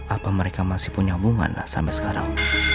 apa mereka masih punya hubungan sampai sekarang